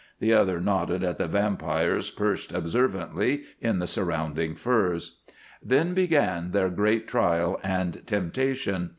The other nodded at the vampires perched observantly in the surrounding firs. Then began their great trial and temptation.